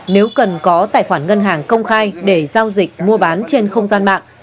nếu cần có tài khoản ngân hàng công khai để giao dịch mua bán trên không gian mạng